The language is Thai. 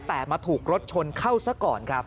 แต่มาถูกรถชนเข้าซะก่อนครับ